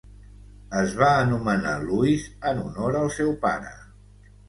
Es va anomenar Louis en honor al seu pare.